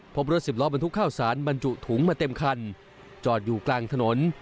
พบรถสิบล้อบรรทุกข้าวสารบรรจุถุงมาเต็มคันจอดอยู่กลางถนน